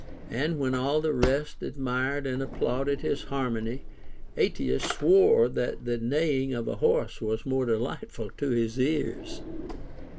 And when all the rest admired and applauded his harmony, Ateas swore that the neighing of ahorse was more delightful to his ears.